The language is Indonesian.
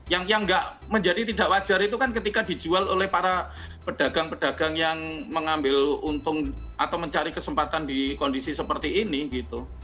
yang menjadi tidak wajar itu kan ketika dijual oleh para pedagang pedagang yang mengambil untung atau mencari kesempatan di kondisi seperti ini gitu